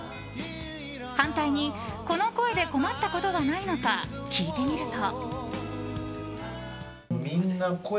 反対にこの声で困ったことがないのか聞いてみると。